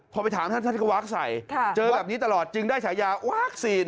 พอไปถามท่านท่านก็วักใส่เจอแบบนี้ตลอดจึงได้ฉายาวัคซีน